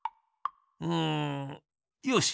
うんよし！